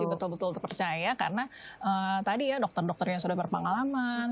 jadi betul betul terpercaya karena tadi ya dokter dokternya sudah berpengalaman